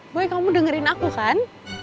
boy kamu dengerin aku kan